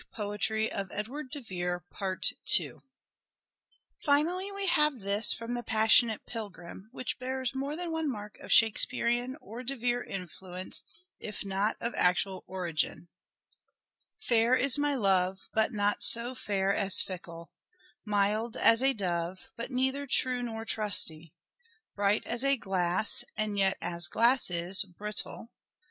13 178 " SHAKESPEARE " IDENTIFIED " The Finally we have this from the " Passionate Pilgrim," which bears more than one mark of Shakespearean or De Vere influence, if not of actual origin : "Fair is my love but not so fair as fickle, Mild as a dove, but neither true nor trusty, Bright as a glass and yet as glass is, brittle.